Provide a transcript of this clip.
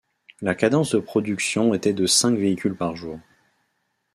La cadence de production était de cinq véhicules par jour.